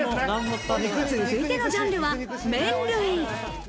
続いてのジャンルは麺類。